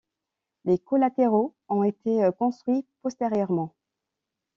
Les collatéraux ont été construits postérieurement.